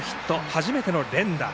初めての連打。